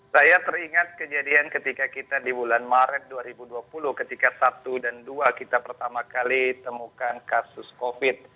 saya teringat kejadian ketika kita di bulan maret dua ribu dua puluh ketika satu dan dua kita pertama kali temukan kasus covid